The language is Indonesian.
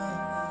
terima kasih ya